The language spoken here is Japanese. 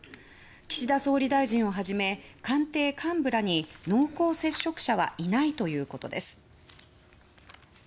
岸田総理大臣をはじめ官邸幹部らに濃厚接触者はいないということです。